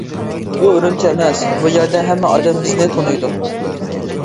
بۇ ئۈرۈمچى ئەمەس، بۇ يەردە ھەممە ئادەم بىزنى تونۇيدۇ.